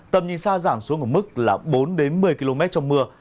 tầm nhìn xa giảm xuống ở mức là bốn đến một mươi km trong mưa